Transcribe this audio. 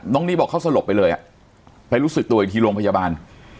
หนี้บอกเขาสลบไปเลยไปรู้สึกตัวอีกทีโรงพยาบาล